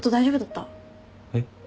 えっ？